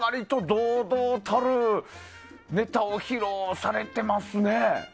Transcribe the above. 堂々たるネタを披露されてますね。